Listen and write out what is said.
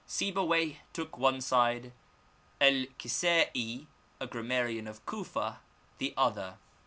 Sibuwayh took one side; El Kisa'i, a grammarian of Cufa, the other.